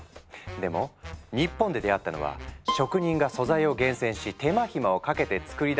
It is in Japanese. でも日本で出会ったのは職人が素材を厳選し手間暇をかけて作り出すスープ。